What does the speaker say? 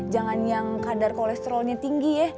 jangan yang kadar kolesterolnya tinggi ya